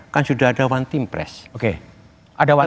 kan sudah ada one team press